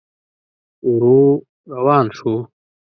ورو روان شو.